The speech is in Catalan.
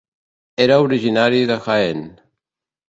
Era originari de Jaén.